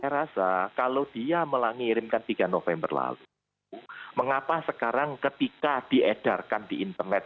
saya rasa kalau dia melangirimkan tiga november lalu mengapa sekarang ketika diedarkan di internet